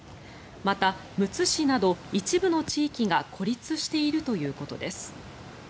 また、むつ市など一部の地域が孤立しているということです。